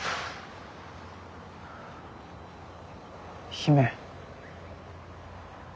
姫。